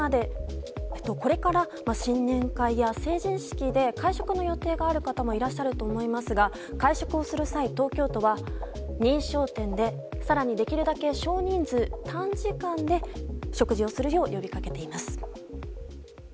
これから新年会や成人式で会食の予定がある方もいらっしゃると思いますが会食をする際東京都は認証店で更に、できるだけ少人数短時間で食事をするよう呼びかけています。